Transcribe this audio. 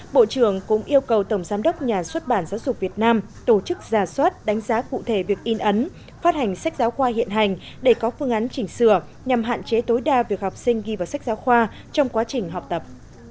bộ trưởng cũng yêu cầu tổng giám đốc nhà xuất bản giáo dục việt nam tổ chức ra soát đánh giá cụ thể việc in ấn phát hành sách giáo khoa hiện hành để có phương án chỉnh sửa nhằm hạn chế tối đa việc học sinh ghi vào sách giáo khoa trong quá trình học tập